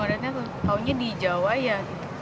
orang orangnya tuh taunya di jawa ya